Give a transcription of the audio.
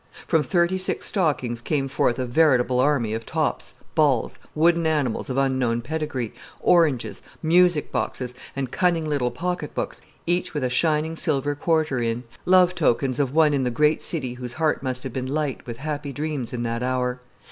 From thirty six stockings came forth a veritable army of tops, balls, wooden animals of unknown pedigree, oranges, music boxes, and cunning little pocket books, each with a shining silver quarter in, love tokens of one in the great city whose heart must have been light with happy dreams in that hour.